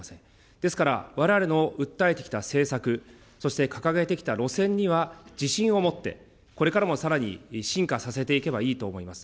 ですから、われわれの訴えてきた政策、そして掲げてきた路線には自信を持って、これからもさらに進化させていけばいいと思います。